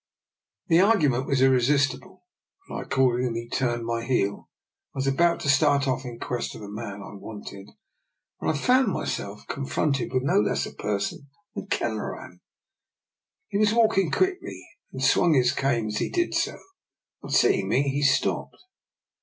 '' The argument was irresistible, and I ac cordingly turned upon my heel and was about to start off in quest of the man I wanted, when I found myself confronted with no less a person than Kelleran. He was walking quickly, and swung his cane as he did so. On seeing me he stopped.